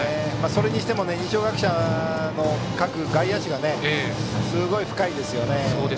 それにしても二松学舎の各外野手がすごい深いですね。